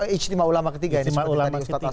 ijma ulama ketiga ini seperti tadi ustaz asyik katakan